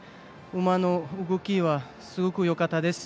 馬の動きはすごくよかったです。